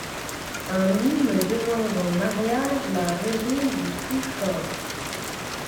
Un mime demande en mariage la raison du plus fort.